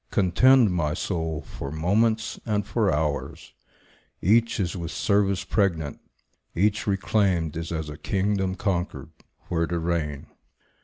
Contend, my soul, for moments and for hours; Each is with service pregnant; each reclaimed Is as a kingdom conquered, where to reign.